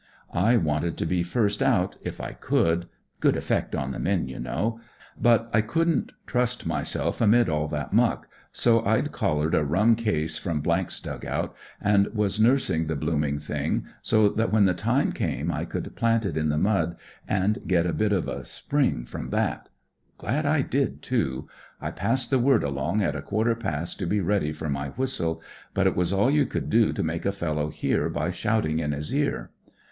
I wanted to be first out, if I could— good effect on the men, you know —but I couldn't trust myself 1 that muck; so I'd collared a rum case from 's dug out, and was nursing the bloom ing thing, so that when the time came I could plant it in the mud and get a bit of 10 WHAT rrS LIKE IN THE PUSH a spring from that. Glad I did, too. I passed the word along at a quarter past to be ready for my whistle ; but it was all you could do to make a fellow hear by shouting in his ear.